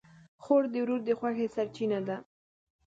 خور د ورور د خوښۍ سرچینه ده.